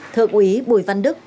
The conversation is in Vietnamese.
thượng quý bùi văn đức